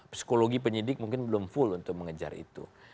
psikologi penyidik mungkin belum full untuk mengejar itu